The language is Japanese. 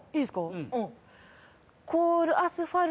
うん。